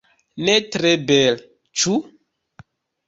Ne tre bele, ĉu?